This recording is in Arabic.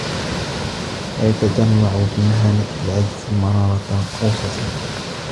وَيَتَجَرَّعُ بِمَهَانَةِ الْعَجْزِ مَرَارَةَ غُصَصِهِ